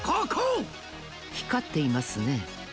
ひかっていますね。